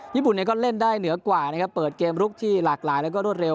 ญี่ปุ่นเนี่ยก็เล่นได้เหนือกว่านะครับเปิดเกมลุกที่หลากหลายแล้วก็รวดเร็